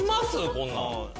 こんなん。